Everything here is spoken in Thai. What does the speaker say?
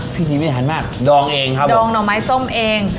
พิธีไม่ทันมากดองเองครับดองหน่อไม้ส้มเอง